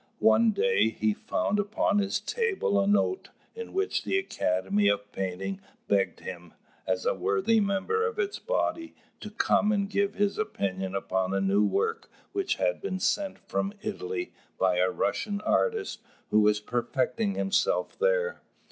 One day he found upon his table a note, in which the Academy of Painting begged him, as a worthy member of its body, to come and give his opinion upon a new work which had been sent from Italy by a Russian artist who was perfecting himself there.